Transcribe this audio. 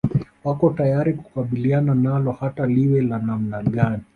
Wako tayari kukabiliana nalo hata liwe la namna gani